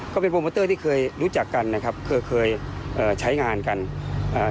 ก็เป็นที่เคยรู้จักกันนะครับเคยเคยเอ่อใช้งานกันเอ่อ